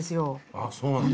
あっそうなんだ。